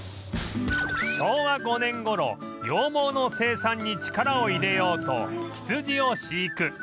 昭和５年頃羊毛の生産に力を入れようと羊を飼育